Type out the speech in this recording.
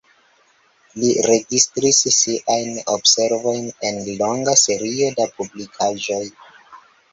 Li registris siajn observojn en longa serio da publikaĵoj.